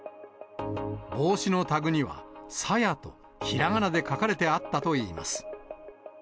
帽子のタグには、さやと、ひらがなで書かれてあったといいます。